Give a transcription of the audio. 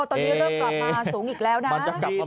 ตอนนี้เริ่มกลับมาสูงอีกแล้วนะ